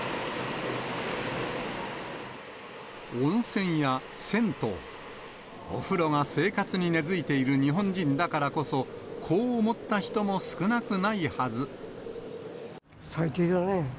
温泉や銭湯、お風呂が生活に根づいている日本人だからこそ、最低だね。